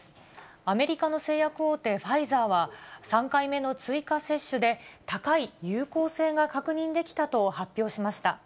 アメリカの製薬大手、ファイザーは、３回目の追加接種で高い有効性が確認できたと発表しました。